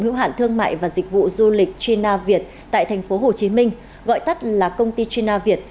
hữu hạn thương mại và dịch vụ du lịch china việt tại thành phố hồ chí minh gọi tắt là công ty china việt